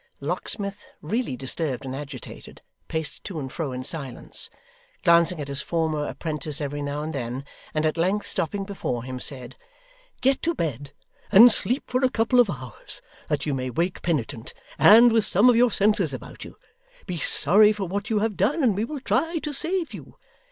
The locksmith, really disturbed and agitated, paced to and fro in silence glancing at his former 'prentice every now and then and at length stopping before him, said: 'Get to bed, and sleep for a couple of hours that you may wake penitent, and with some of your senses about you. Be sorry for what you have done, and we will try to save you.